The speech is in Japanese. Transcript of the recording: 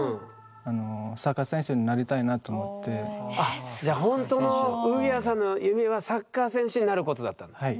あっじゃあほんとのウギアさんの夢はサッカー選手になることだったんだ。